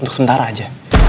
untuk sementara aja